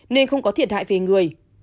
nên không có thiệt hại về người